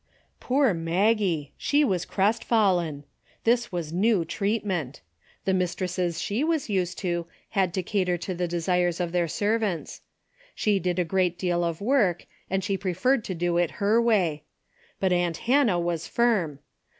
Poor Maggie ! She Avas crestfallen. This Avas new treatment. The mistresses she Avas used to had to cater to the desires of their servants. She did a great deal of Avork, and she preferred to do it her Avay. But aunt Hannah Avas firm.